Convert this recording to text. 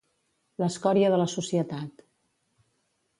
L'escòria de la societat.